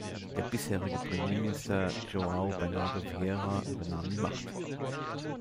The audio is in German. Der bisherige Premierminister João Bernardo Vieira übernahm die Macht.